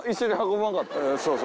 そうそう。